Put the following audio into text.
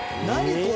これ！